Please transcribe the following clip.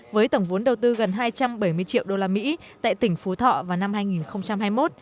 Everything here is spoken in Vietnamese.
với tổng vốn đầu tư gần hai trăm bảy mươi triệu đô la mỹ tại tỉnh phú thọ vào năm hai nghìn hai mươi một